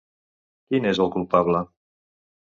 Quin és el culpable?